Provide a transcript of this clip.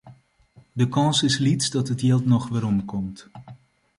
De kâns is lyts dat it jild noch werom komt.